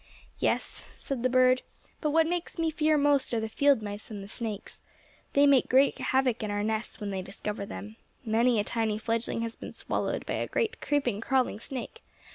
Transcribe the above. "Yes," said the bird, "but what makes me fear most are the field mice and the snakes. They make great havoc in our nests when they discover them. Many a tiny fledgling has been swallowed by a great creeping, crawling snake.